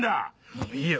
もういいよ。